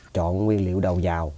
chọn nguyên liệu đầu vào